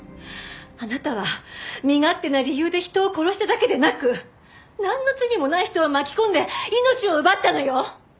あなたは身勝手な理由で人を殺しただけでなくなんの罪もない人を巻き込んで命を奪ったのよ！